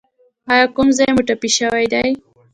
ایا کوم ځای مو ټپي شوی دی؟